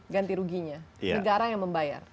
ganti ruginya negara yang membayar